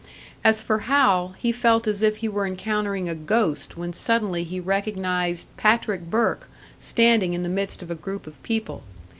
As for Hal, he felt as if he were encountering a ghost when suddenly he recognised Patrick Burke, standing in the midst of a group of people.